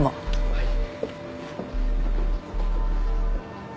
はい。